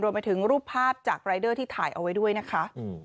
ไปถึงรูปภาพจากรายเดอร์ที่ถ่ายเอาไว้ด้วยนะคะ